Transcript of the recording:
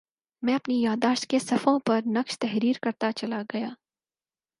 میں اپنی یادداشت کے صفحوں پر نقش تحریر کرتاچلا گیا